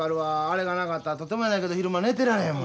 あれがなかったらとてもやないけど昼間寝てられへん。